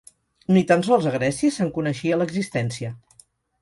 Ni tan sols a Grècia se'n coneixia l'existència.